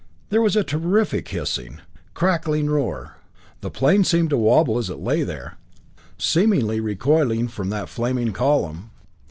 There was a terrific hissing, crackling roar. The plane seemed to wobble as it lay there, seemingly recoiling from that flaming column.